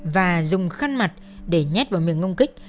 và dùng khăn mặt để nhét vào miệng ông kích